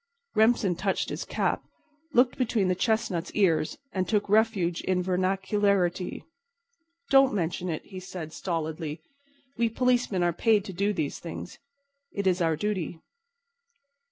Remsen touched his cap, looked between the chestnut's ears, and took refuge in vernacularity. "Don't mention it," he said stolidly. "We policemen are paid to do these things. It's our duty."